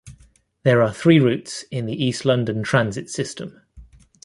There are three routes in the East London Transit system.